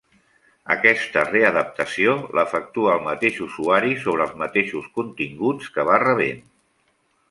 Aquesta readaptació l'efectua el mateix usuari sobre els mateixos continguts que va rebent.